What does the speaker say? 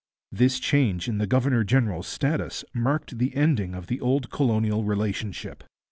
This change in the governor general's status marked the ending of the old colonial relationship.